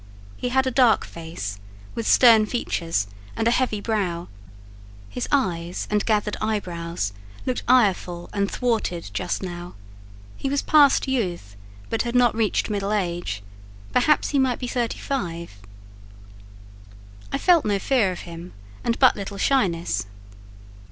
He had a dark face, with stern features and a heavy brow; his eyes and gathered eyebrows looked ireful and thwarted just now; he was past youth, but had not reached middle age; perhaps he might be thirty five. I felt no fear of him, and but little shyness.